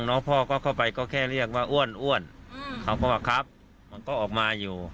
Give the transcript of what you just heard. ก็ไม่เชื่อนะคะเพราะว่าอยู่บ้านเขาก็เป็นคนดีอยู่